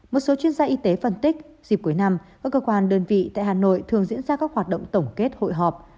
một số chuyên gia y tế phân tích dịp cuối năm các cơ quan đơn vị tại hà nội thường diễn ra các hoạt động tổng kết hội họp